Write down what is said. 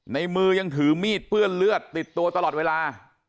ในมือยังถือมีดเปื้อนเลือดติดตัวตลอดเวลา